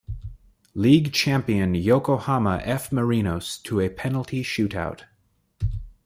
League champion Yokohama F. Marinos to a penalty shootout.